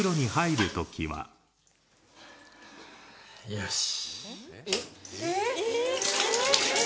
よし。